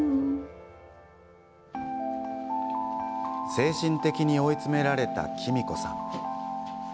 精神的に追い詰められたきみこさん。